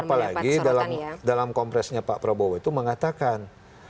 apalagi dalam kompresnya pak prabowo itu mengatakan